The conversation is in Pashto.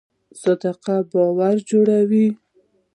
صداقت باور جوړوي